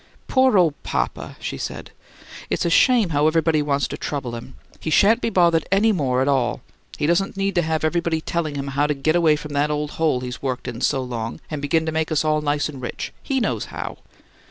"Poor old papa!" she said. "It's a shame how everybody wants to trouble him. He shan't be bothered any more at all! He doesn't need to have everybody telling him how to get away from that old hole he's worked in so long and begin to make us all nice and rich. HE knows how!"